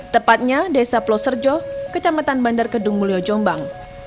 tepatnya desa ploserjo kecamatan bandar kedung mulyo jombang